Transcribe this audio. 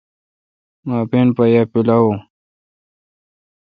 مہ اپین یا پیلاوین۔